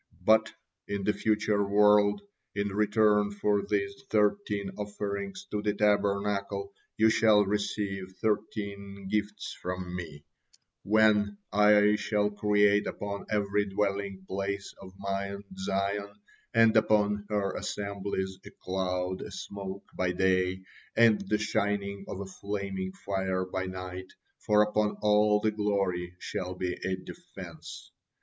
But in the future world, in return for these thirteen offerings to the Tabernacle, you shall receive thirteen gifts from Me, when 'I shall create upon every dwelling place of Mount Zion, and upon her assemblies, a cloud and smoke by day, and the shining of a flaming fire by night, for upon all the glory shall be a defence.